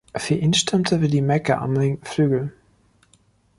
Für ihn stürmte Willi Mecke am linken Flügel.